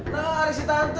nah ada si tante